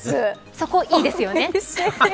そこ、いいですよね。